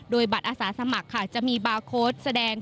โดยบัตรอาสาสมัครค่ะจะมีบาร์โค้ดแสดง